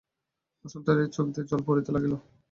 বসন্ত রায়ের চোখ দিয়া জল পড়িতে লাগিল।